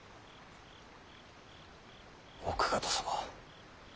奥方様。